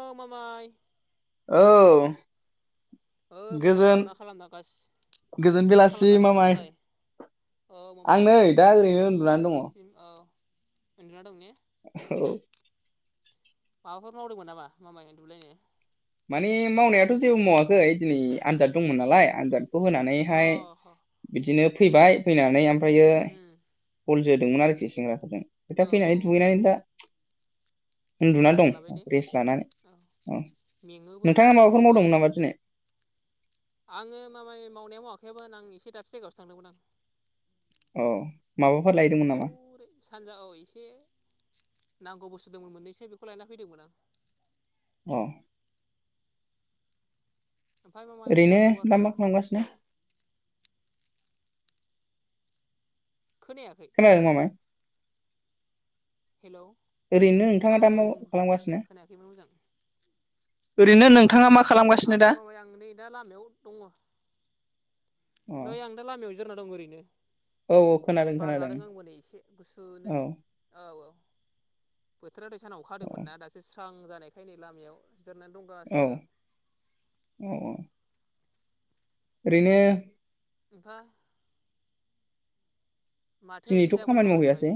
औ मामाय औ ओइ मामाय गोजोन मा खालामना गास गोजोन मा बेलासि खालामना दङ मामाय दालाय औ आं मामाय नै दा गोजोन ओरैनो मोनाबिलिनि उन्दुनानै दङ नोंनिसिम औ। उन्दुना दं ने। औ माबाफोर मावदोंमोन नामा मामाय उन्दुलायनाय? माने मावनायाथ' जेबो मावाखै दिनै आनजाद दंमोन नालाय आनजाद खौ अ होनानैहाय ह बिदिनो फैबाय फैनानै ओम फ्रायो उम बल जो दोंमोन आरोखि सेंग्राफोरजों औ दा औ औ फैनानै दुगैनानै दा उन्दुना रेस्ट दं लाबाय ने रेस्ट लानानै औ मेङोबो ना नोंथाङा बल माबाफोर जोबा मावदोंमोन नामा दिनै? आङो माबाय मावनाया मावाखैमोन आं एसे दासो जायगायावो थांदोंमोन आं। औ औरै सानजा औ एसे नांगौ बुस्थु दंमोन मोननैसो बेखौ लायना फैदोंमोन आं अ ओमफ्राय मामाय खबर ओरैनो सबर दा मा खालामगासिनो खोनायाखै खोनादों मामाय हेलौ ओरैनो नोंथाङा औ दा मा मामाय बुं दे खालामगासिनो खोनायाखैमोन मोजां ओरैनो नोंथाङा मा खालामगासिनो आं दा नै माबाया आं नै दा लामायाव दङ अ नै आं दा लामायाव जिरायना दं ओरैनो औ औ खोनादों बारा खोनादों जादों आंबोनै एसे औ गुसुनो औ औ बोथोरा दै सानाव औ अखाहादोंमोनना दासो स्रां जानायखाय नै लामायाव जिरयनानै औ दंगासिनो आं औ ओरैनो बा [unintelligible] ओंख्रि दिनैथ' जायामोन खामानि मामाय दहाय मावहैयासै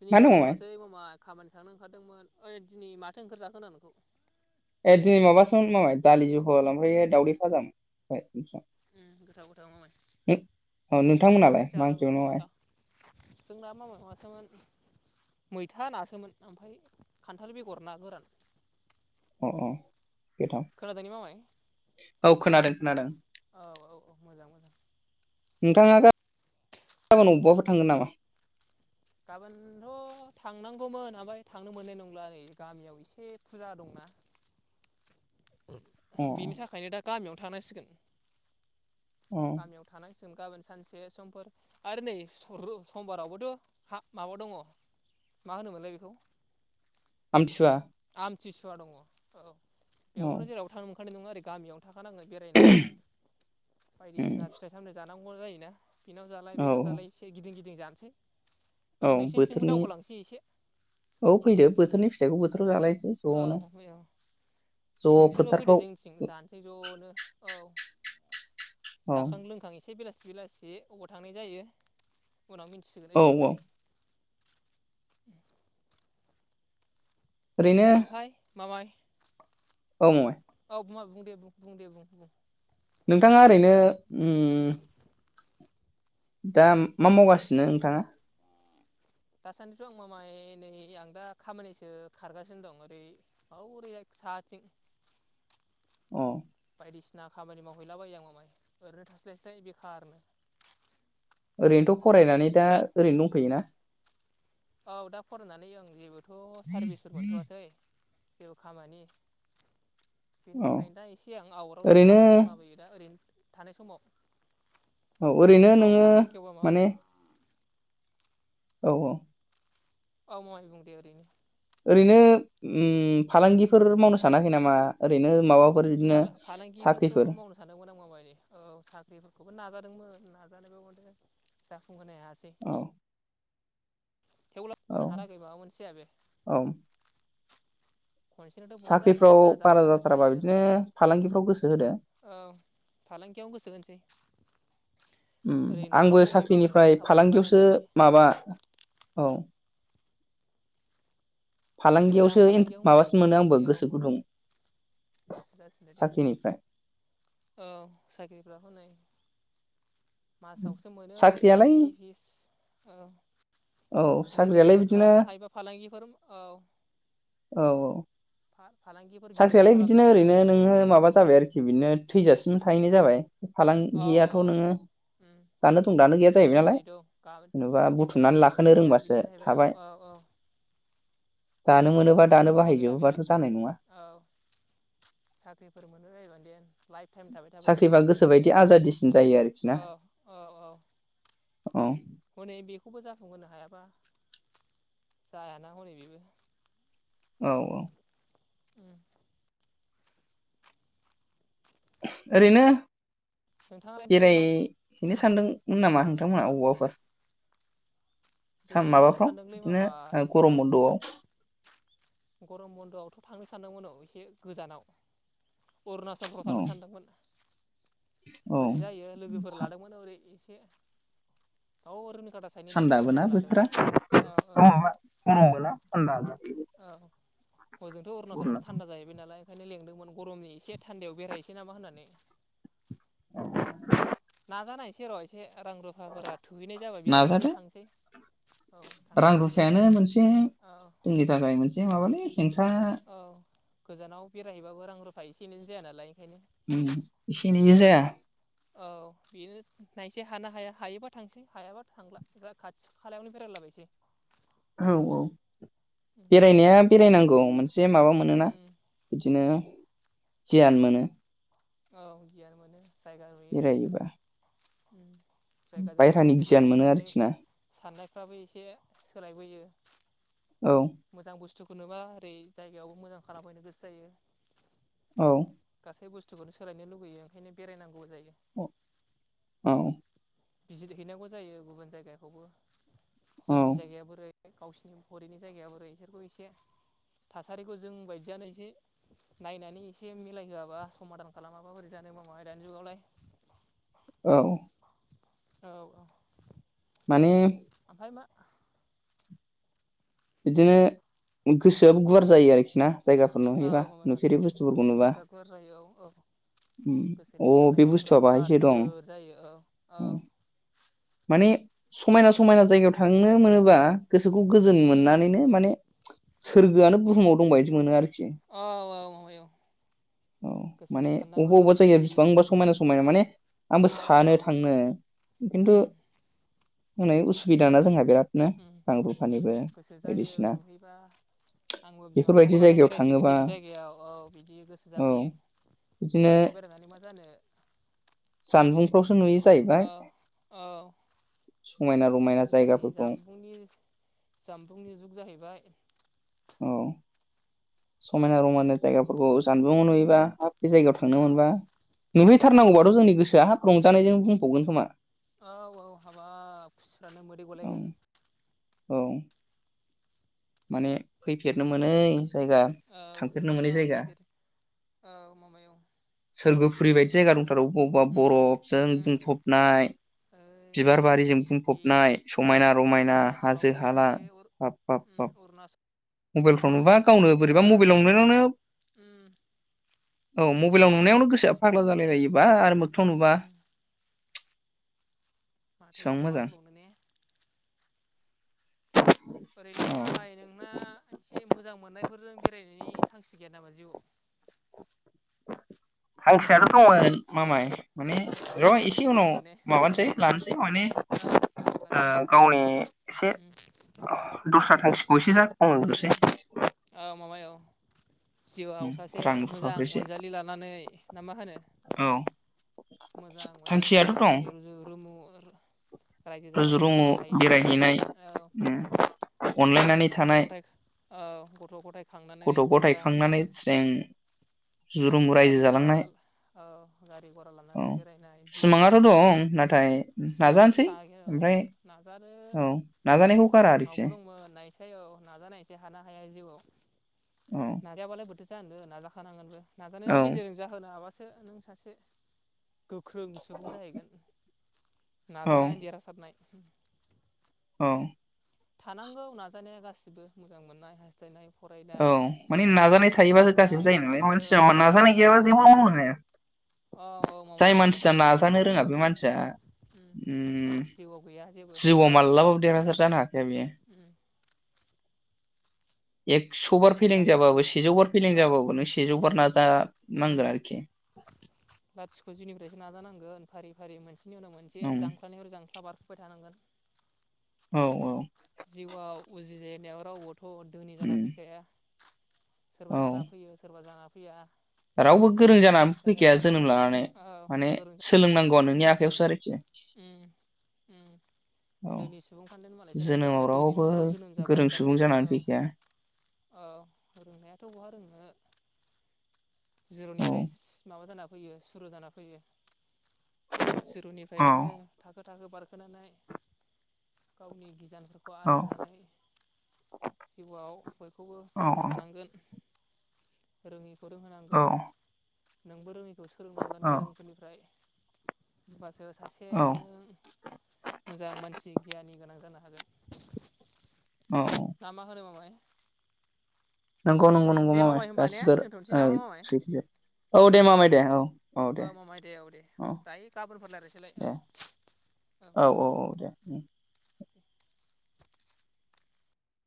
दिनै मा खामानि दङमोन मावासै मामाय खामानि थांनो ओंखारदोंमोन ओइ दिनै माथो ओंख्रि जाखो नोंथां ए दिनै माबासो मामाय दालि जहल ओमफ्राय दावउदै भाजामोन ओमफ्राय उम गोथाव गोथाव मामाय औ नोंथांमोनालाय बिदिखौनो मा ओंख्रि जानांगौ जानायमोन दा जोंना मामाय माबासोमोन मैथा नासोमोन ओमफ्राय खान्थाल बेगर ना गोरान अ औ खोनादोंने मामाय [unintelligible] औ खोनादों खोनादों औ औ औ मोजां मोजां नोंथाङा गाबोन बबेयावबाफोर थांगोन नामा गाबोनथ' थांनांगौमोन ओमफ्राय थांनो मोननाय नंला नै गामियाव एसे फुजा दंना अ बिनि थाखायनो दा गामियावनो थानांसिगोन अ गामियाव थानाय जों गाबोन सानसे समफोर आरो नै समबारावबोथ' हा माबा दङ मा होनोमोनलाय बेखौ आमथिसुवा आमथिसुवा दङ औ औ बेयाव नो जेराव थांनो होनाय नङा आरै गामियाव थाखानांगोन बेरायनानै उम बायदिसिना फिथाइ सामथाइ जानो थानांगौ जायो ना बेनाव जालाय औ बेनाव जालाय एसे गिदिं गिदिं जानो [inaudible] औ बोथोरनि औ फैदो बोथोरनि फिथाइखौ बोथोर बोथोराव जालायसै औ ज'नो औ ज' नोंसोरबो फैदो फोथारफ्राव जोंनिथिं जानोसै ज'नो औ औ जाखां लोंखां एसे एसे बेलासि बेलासि अबाव थांनाय जायो उनाव मिथिसिगोन ओइ औ औ दिनखालि [inaudible] ओरैनो मामाइ औ मामाय औ मा बुंदे बुं बुंदे बुं बुं नोंथाङा ओरैनो दा मा मावगासिनो नोंथाङा दासान्दिथ आं मामाय नै आं दा खामानिसो खारगासिनो दं ओरै औरैहाय साहाथिं अ बायदिसिना खामानि मावहैलाबायो आं मामाय ओरैनो थास्लायस्लाय बेखारनो ओरैनोथ फरायनानै दा रां ओरैनो दंथोयोना औ दा फरायनानै आं जेबो थ सारभिसफोर मोनथवासै [unintelligible] खामानि बेनि औ थाखायनो दा एसे आं आवटावनो ओरैनो खामानि मावलाबायो दा ओरैनो थानाय समाव औ ओरैनो उनफ्राव नोङो खाफाल खेवबा माबा माने औ औ अ मामाय बुं दे ओरैनो ओरैनो ओम फालांगिफोर मावनो सानाखै नामा ओरैनो माबा फालांग फालांगिफोरखौथ मावनो सानोमोन आं मामायऔ साख्रिफोरखौबो नाजा [unintelligible] [unintelligible] हायासै औ थेवब्लाबो औ [unintelligible] माबा मोनसे जाया बे। औ खनसेनोथ बहा जानो साख्रिफ्राव नाजाबाय बारा थाबासो जाथाराबा जायो बिदिनो फालांगिफ्राव गोसो होदो औ फालांगियावनो गोसो होनोसै। ओम ओरै आंबो न'फ्रावबो गय बागान साख्रिनिफ्राय बानायखाबाय फालांगियावसो बानायनायालाय माबा औ मोजां फालांगियावसो फालांगियाव मोजां माबासिन मोनो आंबो फालांगि औ गोसो गुदुं गोसो जासिनो दे साख्रिनिफ्राय औ साख्रिफ्रा हनै मासावसो मोनो साख्रियालाय मान्थलि फिस औ औ साख्रियालाय बिजनेसफोर बिदिनो खालामनो हायोबोला फालांगिफोर औ औ औ फा-फालांगिफोर गिदिर साख्रियालाय खालामनो बिदिनो हायोबा ओरैनो नै नोङो माबा जाबाय आरोखि बिदिनो थैजासिम थाहैनाय जाबाय औ औ फालांगियाथ नोङो उम दानो दं दानो गैया जाहैबाय नालाय दिनै दं गाबोन जेनेबा दिनै दं बुथुमनानै गाबोन लाखानो गैया बिदि रोंबासो जाहैबाय औ थाबाय औ औ दानो मोनोबा खुनु दानो माबा गैला बेहा बाहायजोबोबाथ जानाय नङा औ साख्रिफोर मोनबाय बायबानो देन लाइफ टाइम थाबाय थाबाय साख्रिबा जिउआव गोसोबायदि आजादिसिन जायो आरोखि ना औ औ औ औ हनै बे खौबो जाफुंहोनो हायाबा जाया ना हनै बेबो औ औ उम ओरैनो नोंथाङा बिदि मा बेरायहैनो सानदोंमोन नामा नोंथांमोना अबावबाफोर बेरायनोथ' माबाफ्राव सानदोंलै मामाय बिदिनो गरम बन्द'आव गरम बन्द'आवथ' थांनो सानदोंमोन औ एसे गोजानाव अरुणाचल फ्राव औ थांनो सानदोंमोन औ बोरै जायो लोगोफोर लादोंमोन ओरै एस दाउ ओरनो थान्दाबोना औ बोथोराबा गरमबो औ हजोंथ' अरुणचलावथ' थान्दा जाहैबाय नालाय ओंखायनो लेंदोंमोन गरमनि एसे थान्दायाव बेरायहनोसै नामा होननानै औ नाजानायसै र' एसे रां रुफाफोरा थोहैनाय जाबा बेरायहैनोसै नाजादो थांसै औ थांनो रां रुफायानो मोनसे औ खेंख्रा औ गोजानाव बेरायहैबाबो रां रुफा एनैजों जाया नालाय ओंखायनो उम इसे एनैजों जाया औ बेनो नायनोसै हानो हाया हायोबा थांसै हायाबा थांला खाथि खालायावनो बेरायलाबायसै औ औ बेरायनाया बेरायनांगौ [unintelligible] एसे माबा मोनोना उम बिदिनो गियान मोनो। औ गियान मोनो बेरायोबा उ जायगाजों बायहेरानि लोगोसे गियान गावनि मोनो साननाय आरोखि ना साननाय फाबो एसे सोलायबोयो औ मोजां बुस्थु खुनबा ओरै जायगायावबो मोजां खालामहैनो गोसो जायो। औ गासै सोलायनो लुगैयो ओंखायनो बेरायनांगौ जायो। औ बिजिर हैनांगौ जायो गुबुन जायगाखौबो औ जोंनि जायगाया बोरै गावसिोरनि हरिनि जायगाया बोरै इसोरखौ एसे थासारिखौ जों बायदियानो एसे नायनानै एसे मिलायहोआबा समादान खालामाबा बोरै जानोबा माय दानि जुगावलाय। औ औ औ उम अमा बिदिनो गोसोआबो गुवार जायो आरोखि ना जायगाफोर औ नुहैबा माबा नुफेरै बुस्थुफोरखौ गोसोआव नुबा गोसोआ गुवार [inaudible] अ गोसोनि साननाय हनायफ्रा गुवार गिदिर जायो औ औ उम माने समायना- समायना जायगायाव थांनो मोनोबा गोसोखौ गोजोन उम मोननानैनो माने [inaudible] सोरगोआनो बुहुमाव दंब बायदि मोनो आरोखि। औ औ माबाय औ औ गोसोनि माने साननाय अबावबा हनाय अबावबा जायगाया खुसि बिसिंबांबा समायना समायना समायना माने आंबो औ औ सानो थांनो खिन्थु उम हनै उसुबिदा ना जोंहा बिराद गोसो जायो नुहैबा आंबो बिमा बेफोरबायदि बिफाखौ लानानै जायगायाव बेरायफैगोन थाङोबा नैबे जायगायाव औ बिदि गोसो औ जाबोयो बिदिनो आं ल' बेरायनानै मा जानो गासो नुयो बिदिनो जाहैबाय औ औ समायना रमायना आजिखालि जायगाफोरखौ जामबुंनि जामबुंनि जुग जाहैबाय औ समायना रमायना जायगाफोरखौ जानबुंगाव नुयोबा हाब बे जायगायाव थांनो औ मोनबा नुहैथारनांगौबाथ' जोंनि गोसोआ हाब उम रंजानायजों बुंफबगोन खोमा फ्रानो मोदै औ गलायगोन औ माने फैफेरनो मोनै जायगा औ थांफेरनो औ मोनै जायगा फैफेर औ माबायाव सोरगो फुरैबायदि जायगा दंथारो आरौ अबावबा अबावबा उम बरफजों उम बुंफबनाय ओइ बिबार हरै बारिजों बे बुंफबनाय समायना रमायना हाजो अरुणाचलावनो हाला बे अर बाब उम बाब अरुणाचल मबाइलफ्राव नुबा गावनो एरियायावनो बोरैबा बिराद मबाइलाव मोजां मोजां नुनायावनो जायगा उम औ मबाइल नुनायावनो गोसोआ फाग्ला जालाय उम लायोबा आरो मोखथाङाव नुबा उम बेसेबां माथोबाव मा मोजां होनबावनो ने [inaudible] ओरैनो औ मामाय नोंना एसे मोजां मोननायफोरजों बेरायनायनि थांखि गैया नामा जिउआव? थांखियाथ' दंमोन मामाय। माने र' एसे उनाव दंमोन ने माबानोसै लानोसै माने औ लादो ओ गावनि एसे दस्रा थांखिखौ एसे जाफुं होग्रोनोसै। अ माबायाव जिउआव सासे रां रुफाखौ मोजां एसे अनजालि लानानै ना मा होनो? औ मोजां अनजालि थांखियाथ' लानानै दं रुजु रुमु रायजो जानायनि रुजु-रुमु सिमां थायोने बयहाबो बेरायहैनाय औ उम अनलायनानै गथ' थानाय ग'थाय औ गथ' गथाय खांनानै गथ' गथाय खांनानै आरामनो। जों रुजु-रुमु रायजो गारि गरा जालांनाय आगोल औ गारि गरा औ लानानै बेरायनाय जिउआव सिमाङाथ' दं नाथाय सिमांथ' नाजानोसै था ओमफ्राय औ नाजानायखौ गारा आरोखि। फाय औ नाजानायसै हानो हाया जिउआव। औ नाजायाबालाय बो थो जानो नाजाखानांगोनबो। औ नाजानायनि गेजेरजों जाहोनो हाबासो नों सासे गोख्रों सुबुं जाहैगोन। औ नाजानानै देरहासादनाय। [inaudible] औ थानांगौ नाजानाया गासिबो मोजां मोननाय हास्थायनाय औ फरायनाय माने नाजानाय थायोबासो गासिबो लिरनाय जायो नालाय मानसिया औ नाजानाय गेलेनाय गैयाबा औ जेबो मावनो हाया औ औ जाय मामाय औ मानसिया नाजानो रोङा बे मानसिया उम ओम जिउआव गैया जेबो जिउआव लाथिख' माल्लाबाबो देरहासार जानो हाखाया बियो। उम एक स'बार फेलें लाथिख' जाबाबो सेजौ बार फेलें औ जाबाबो नों सेजौ बार नाजा उम नांगोन आरोखि। लाथिख' जिनिफ्रायसो नाजानांगोन फारि फारि मोनसे नि उनाव मोनसे ओम जांख्लानिफ्राय जां ख्ला बारखोबाय थानांगोन। औ औ जिउआव उजिजे नायाव राव बोथ' धोनि जाना ओम फैखाया। सोरबा औ जाना फैयो सोरबा जाना‌ फैया। रावबो गोरों जानानै जायहा फैखाया जाना जोनोम लानानै औ माने गोरों सोलोंनांगौआ नों नि आखायावसो आरोखि। उम उम उम औ दोनि सुबुंफ्रान देन मालाय सोरबा सोरबा जोनोमाव दोनि रावबो न'खराव जोनोम जाबा गोरों सुबुं डाइरेक्ट औ जानानै फैखाया औ रोंनायाथ' बहा रोंनो। औ जिर'निफ्राय माबा जानो फैयो सुरु जाना फैयो जिर' निफ्राय औ नोङो थाखो थाखो बारखोनानै गावनि गि गियानफोरखौ औ आरजिनानै जिउआव बयखौबो फोरोंनो हानांगोन। रोङि औ रोंहोनांगोन नोंबो रोङै खौ सोलोंनांगोन औ गोरोंफोरनिफ्राय बास सासे औ नों मोजां मानसि गियााननि गोनां जानो हागोन। औ ना मा होनो मामाय। नंगौ नंगौ नंगौ दे मामाय होनबा ने गासिबो दोनथ'नोसै ओ नामा मामाय सैथोजोब औ दे मामाय। दे औ औ मामाय दे औ दे दायो गाबोनफोर लायरायनोसैलाय दे औ औ दे औ दे ओम